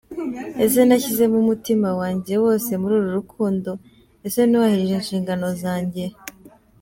Ese nashyizemo umutima wajye wose muri uru rukundo? Ese nubahirije inshingano zajye?.